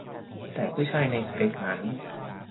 แต่ผู้ชายในสเปกนั้น